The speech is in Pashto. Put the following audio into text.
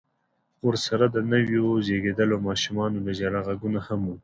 ورسره د نويو زيږېدليو ماشومانو د ژړا غږونه هم و.